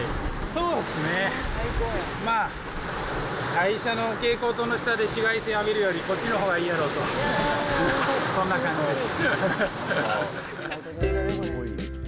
そうですね、会社の蛍光灯の下で紫外線浴びるより、こっちのほうがいいやろと、そんな感じです。